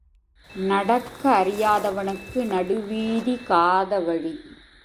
நடக்க அறியாதவனுக்கு நடுவீதி காத வழி.